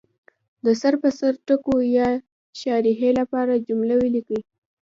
د سر په سر ټکو یا شارحې لپاره جمله ولیکي.